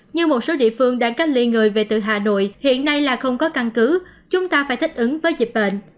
như một số địa phương đang cách ly người về từ hà nội hiện nay là không có căn cứ chúng ta phải thích ứng với dịch bệnh